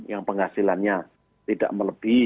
yang penghasilannya tidak melebih